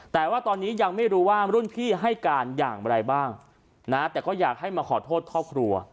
แต่ว่าตอนนี้ยังไม่รู้ว่ารุ่นพี่ให้การอย่างไรบ้างนะแต่ก็อยากให้มาขอโทษครอบครัว